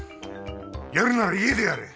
やるなら家でやれ。